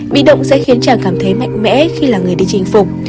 bị động sẽ khiến chàng cảm thấy mạnh mẽ khi là người đi chinh phục